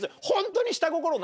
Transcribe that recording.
ホントに。